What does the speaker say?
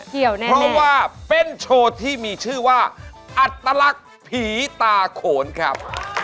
แน่เพราะว่าเป็นโชว์ที่มีชื่อว่าอัตลักษณ์ผีตาโขนครับ